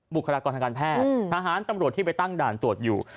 บุคลากรทางการแพทย์ทหารตำรวจที่ไปตั้งด่านตรวจอยู่